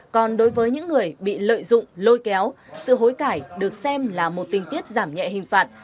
còn đối với những người bị lợi dụng lôi kéo sự hối cãi được xem là một tình tiết giảm nhẹ hình phạt